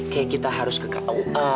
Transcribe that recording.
kayak kita harus ke kua